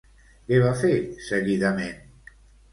Què va fer seguidament?